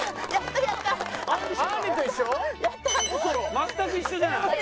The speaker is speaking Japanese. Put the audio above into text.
全く一緒じゃん。